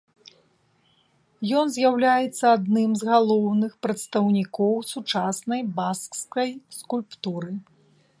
Ён з'яўляецца адным з галоўных прадстаўнікоў сучаснай баскскай скульптуры.